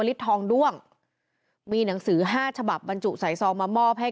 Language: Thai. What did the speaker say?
ทองด้วงมีหนังสือห้าฉบับบรรจุใส่ซองมามอบให้